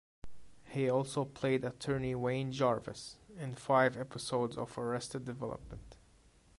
He also played attorney Wayne Jarvis in five episodes of "Arrested Development".